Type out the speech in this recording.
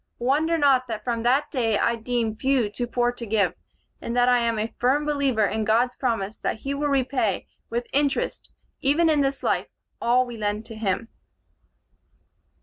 Wonder not that from that day I deem few too poor to give, and that I am a firm believer in God's promise that he will repay with interest, even in this life, all we lend to him."